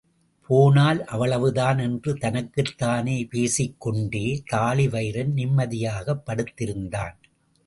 போனால் அவ்வளவுதான் என்று தனக்குத்தானே பேசிக்கொண்டே தாழிவயிறன் நிம்மதியாகப் படுத்திருந்தான்.